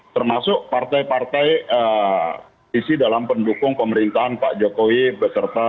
termasuk partai partai isi dalam pendukung pemerintahan pak jokowi beserta